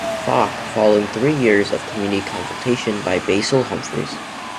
Fock, following three years of community consultation by Basil Humphreys.